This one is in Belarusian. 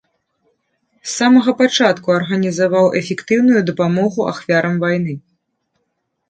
З самага пачатку арганізаваў эфектыўную дапамогу ахвярам вайны.